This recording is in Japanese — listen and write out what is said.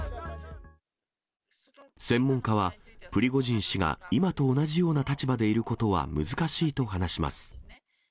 専門家は、プリゴジン氏が今と同じような立場でいることは難しいと話します。